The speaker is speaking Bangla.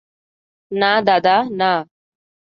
না, দাদা, না।